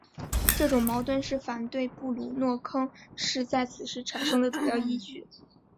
这种矛盾是反对布鲁诺坑是在此时产生的主要论据。